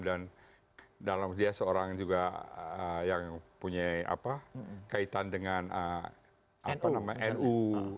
dan dalam dia seorang yang punya kaitan dengan nu